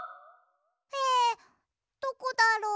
えどこだろう？